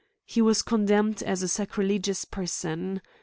He was condemned as a sacrilegious person.